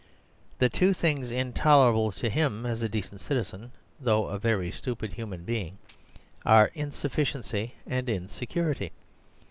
The two things intolerable to him as a decent citizen (though a very stupid human being) are insufficiency and in security.